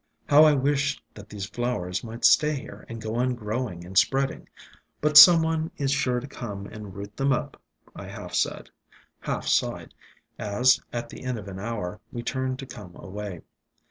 "How I wish that these flowers might stay here, and go on growing and spreading. But some one is sure to come and root them up," I half said, half sighed, as, at the end of an hour, we turned to come away.